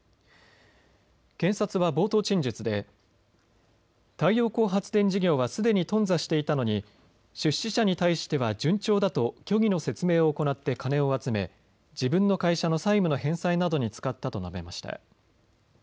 検察は冒頭陳述で太陽光発電事業はすでに頓挫していたのに出資者に対しては順調だと虚偽の説明を行って金を集め自分の会社の債務の返済などに使ったと述べました。